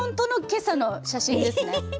今朝の写真ですね。